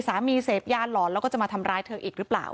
สามีเสพยาหลอนแล้วก็จะมาทำร้ายเธออีกหรือเปล่า